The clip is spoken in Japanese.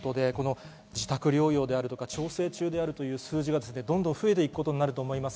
自宅療養調整中であるという数字が増えていくことになると思います。